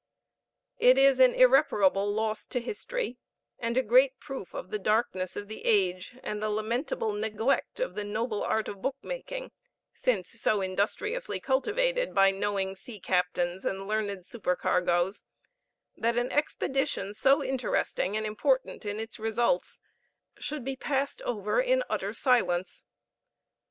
It is an irreparable loss to history, and a great proof of the darkness of the age and the lamentable neglect of the noble art of book making, since so industriously cultivated by knowing sea captains and learned supercargoes, that an expedition so interesting and important in its results should be passed over in utter silence.